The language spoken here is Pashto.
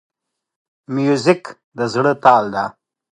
موزیک د زړه تال ده.